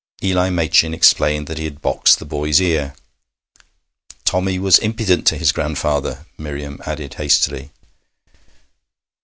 Eli Machin explained that he had boxed the boy's ear. 'Tommy was impudent to his grandfather,' Miriam added hastily.